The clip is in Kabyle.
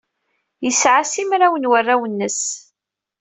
Yesɛa simraw n warraw-nnes.